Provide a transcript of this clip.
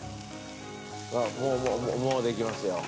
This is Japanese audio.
もうもうもうできますよ。